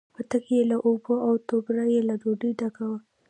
پتک یې له اوبو، او توبره یې له ډوډۍ ډکه وه.